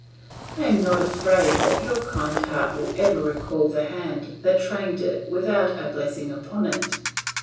I am not afraid that your kind heart will ever recall the hand that trained it without a blessing upon it.